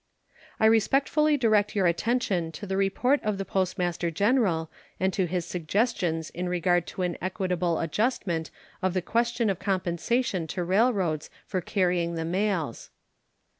I respectfully direct your attention to the report of the Postmaster General and to his suggestions in regard to an equitable adjustment of the question of compensation to railroads for carrying the mails.